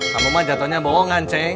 kamu mah jatohnya bohongan ceng